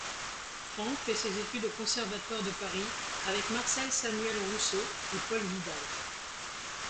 Franck fait ses études au Conservatoire de Paris avec Marcel Samuel-Rousseau et Paul Vidal.